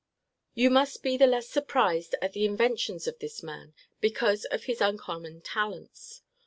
You must be the less surprised at the inventions of this man, because of his uncommon talents.